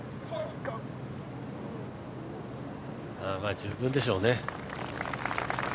十分でしょうね。